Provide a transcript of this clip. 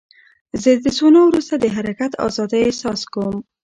زه د سونا وروسته د حرکت ازادۍ احساس کوم.